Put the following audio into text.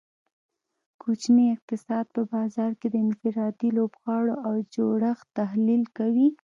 کوچنی اقتصاد په بازار کې د انفرادي لوبغاړو او جوړښت تحلیل کوي